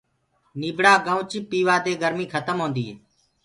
نيبڙآ گنوُچ پيوآ دي گرمي کتم هوندي هي۔